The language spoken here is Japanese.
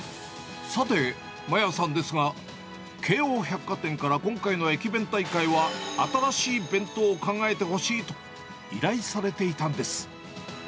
さて、麻椰さんですが、京王百貨店から今回の駅弁大会は、新しい弁当を考えてほしいと、依頼されていたんです。